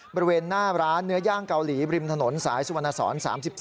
บริเวณหน้าร้านเนื้อย่างเกาหลีบริมถนนสายสุวรรณสอน๓๒